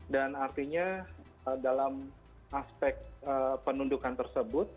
dan artinya dalam aspek penundukan tersebut